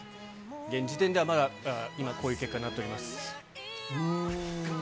現時点ではまだ今、こういう結果になっております。